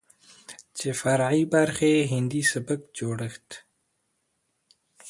چې فرعي برخې يې هندي سبک جوړښت،